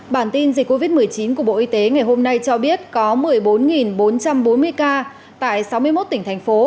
bản tin dịch covid một mươi chín của bộ y tế ngày hôm nay cho biết có một mươi bốn bốn trăm bốn mươi ca tại sáu mươi một tỉnh thành phố